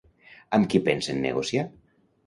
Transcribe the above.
Amb qui pensen negociar?